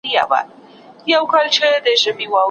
په تېر وخت کي ډېرې تېروتنې سوي دي.